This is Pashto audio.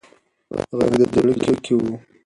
غږ د ده په زړه کې و.